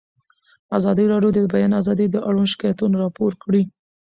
ازادي راډیو د د بیان آزادي اړوند شکایتونه راپور کړي.